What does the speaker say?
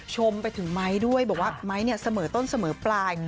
ชมไปถึงไม้ด้วยบอกว่าไม้เนี่ยเสมอต้นเสมอปลาย